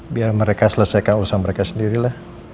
biar mereka selesaikan usaha mereka sendiri lah